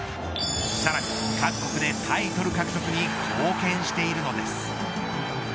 さらに各国でタイトル獲得に貢献しているのです。